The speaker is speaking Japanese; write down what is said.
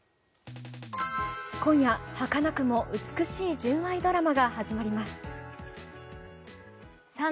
今夜、はかなくも美しい純愛ドラマが始まります。